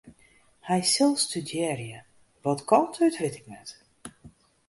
Hy sil studearje, wat kant út wit ik net.